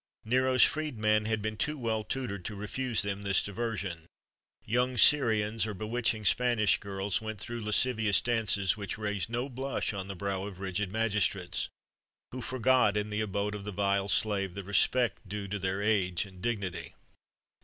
Nero's freed man had been too well tutored to refuse them this diversion. Young Syrians,[XXXV 95] or bewitching Spanish girls,[XXXV 96] went through lascivious dances,[XXXV 97] which raised no blush on the brow of rigid magistrates, who forgot, in the abode of the vile slave, the respect due to their age and dignity.